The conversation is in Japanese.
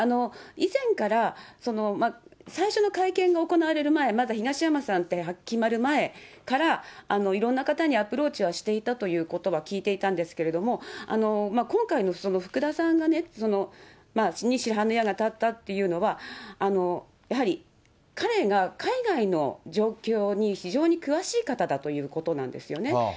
以前から、最初の会見が行われる前、まだ東山さんって決まる前から、いろんな方にアプローチはしていたということは聞いていたんですけれども、今回の福田さんがね、に、白羽の矢が立ったっていうのは、やはり彼が海外の状況に非常に詳しい方だということなんですよね。